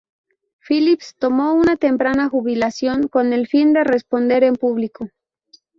Phillips tomó una temprana jubilación con el fin de responder en público.